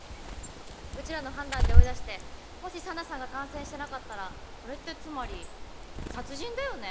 うちらの判断で追い出してもし紗奈さんが感染してなかったらそれってつまり殺人だよね？